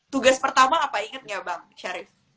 tugas pertama apa inget gak